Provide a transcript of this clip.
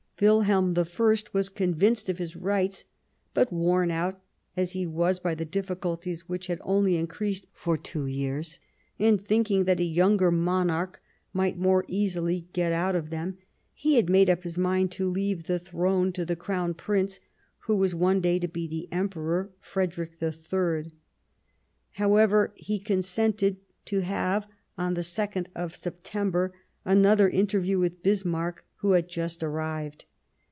Wilhelm I was convinced of his rights ; but, worn out as he was by the difficulties which had only increased for two years, and thinking that a younger monarch might more easily get out of them, he had made up his mind to leave the throne to the Crown Prince, who was one day to be the Emperor Friedrich III. However, he consented to have — on the 22nd of September — another inter view with Bismarck, who had just arrived.